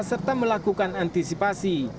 serta melakukan antisipasi